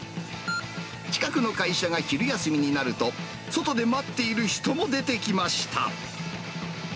近くの会社が昼休みになると、外で待っている人も出てきました。